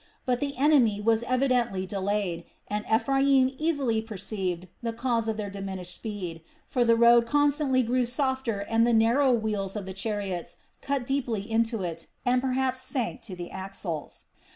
But the enemy was evidently delayed, and Ephraim easily perceived the cause of their diminished speed; for the road constantly grew softer and the narrow wheels of the chariots cut deeply into it and perhaps sank to the axles.